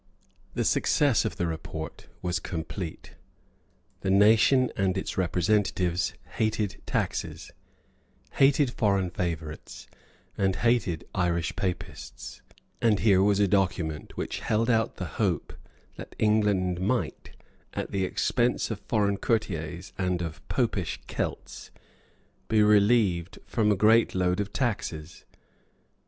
The success of the report was complete. The nation and its representatives hated taxes, hated foreign favourites, and hated Irish Papists; and here was a document which held out the hope that England might, at the expense of foreign courtiers and of popish Celts, be relieved from a great load of taxes.